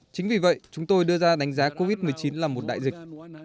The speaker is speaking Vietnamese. chính vì vậy chúng tôi đưa ra đánh giá covid một mươi chín là một đại dịch